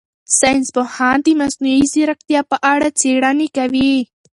ساینس پوهان د مصنوعي ځیرکتیا په اړه څېړنې کوي.